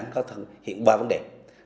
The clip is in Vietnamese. có hiện ba vấn đề